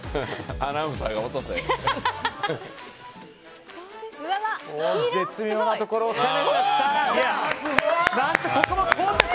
アナウンサーが落とせって。